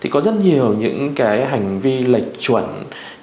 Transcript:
có rất nhiều hành vi lệch chuẩn